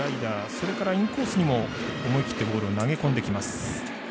それからインコースにも思い切ってボールを投げ込んできます。